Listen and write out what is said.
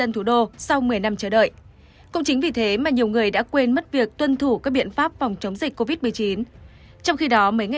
trong đó có nhiều người lây nhiễm trong cộng đồng